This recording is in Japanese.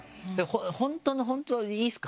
本当の本当いいですか？